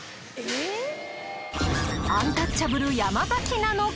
アンタッチャブル山崎なのか？